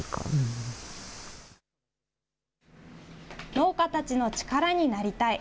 農家たちの力になりたい。